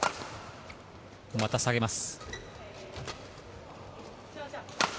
また下げます。